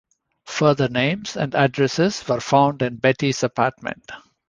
Further names and addresses were found in Betty's apartment.